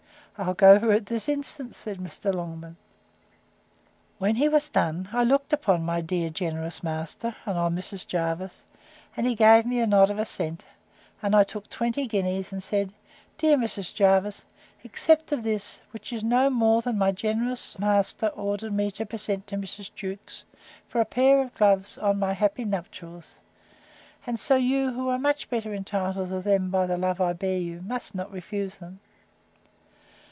—I'll go for it this instant, said Mr. Longman. When he was done, I looked upon my dear generous master, and on Mrs. Jervis, and he gave me a nod of assent; and I took twenty guineas, and said, Dear Mrs. Jervis, accept of this, which is no more than my generous master ordered me to present to Mrs. Jewkes, for a pair of gloves, on my happy nuptials; and so you, who are much better entitled to them by the love I bear you, must not refuse them.